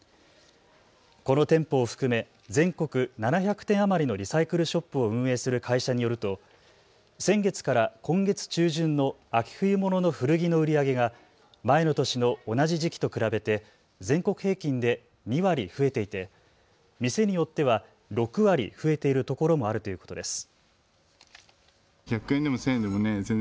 この店舗を含め全国７００店余りのリサイクルショップを運営する会社によると先月から今月中旬の秋冬物の古着の売り上げが前の年の同じ時期と比べて全国平均で２割増えていて店によっては６割増えているところもあるということです。